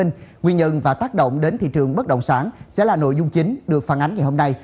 nguyên nhân và tác động đến thị trường bất động sản sẽ là nội dung chính được phản ánh ngày hôm nay